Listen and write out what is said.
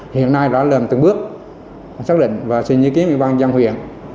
hôm nay đã làm từng bước xác định và xin nhớ kiếm ủy ban giam huyện